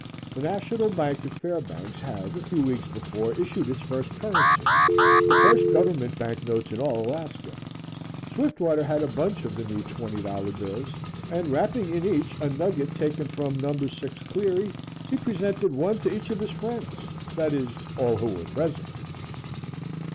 The National Bank at Fairbanks had, a few weeks before, issued its first currency the first government bank notes in all Alaska. Swiftwater had a bunch of the new $20 bills and, wrapping in each a nugget taken from Number 6 Cleary, he presented one to each of his friends that is, all who were present.